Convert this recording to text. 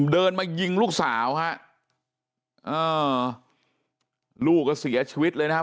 เดินมายิงลูกสาวฮะอ่าลูกก็เสียชีวิตเลยนะครับ